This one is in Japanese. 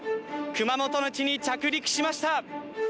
熊本の地に着陸しました。